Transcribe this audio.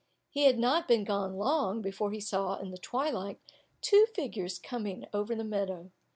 He had not been gone long before he saw, in the twilight, two figures coming over the meadow.